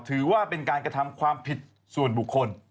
ถือว่าเป็นการกระทำความผิดส่วนบุคคล